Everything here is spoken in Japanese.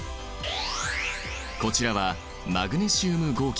こちらはマグネシウム合金。